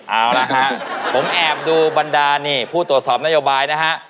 เอาละฮะผมแอบดูบรรดานี่ผู้ตรวจสอบนโยบายนะฮะ